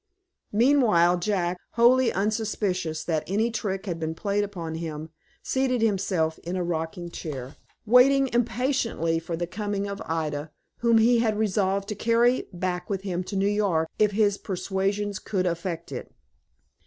Meanwhile Jack, wholly unsuspicious that any trick had been played upon him, seated himself in a rocking chair, waiting impatiently for the coming of Ida, whom he was resolved to carry back with him to New York if his persuasions could effect it.